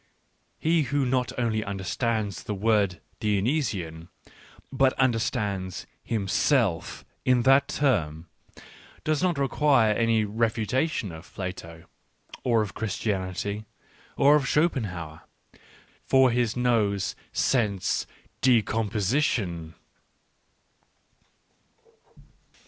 He who not only under \ stands the word " Dionysian," but understands him \ self in that term, does not require any refutation of Plato, or of Christianity, or of Schopenhauer — for his nose scents decomposition.